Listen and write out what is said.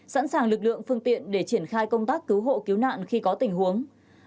sẵn sàng lực lượng phương tiện để triển khai công tác cứu hộ cứu nạn khi có tình huống